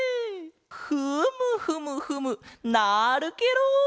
フムフムフムなるケロ！